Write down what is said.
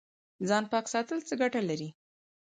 ځان پاک ساتل څه ګټه لري؟